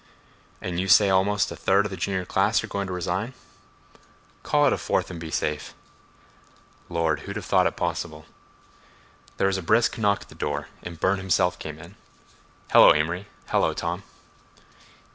"And you say almost a third of the junior class are going to resign?" "Call it a fourth and be safe." "Lord—who'd have thought it possible!" There was a brisk knock at the door, and Burne himself came in. "Hello, Amory—hello, Tom."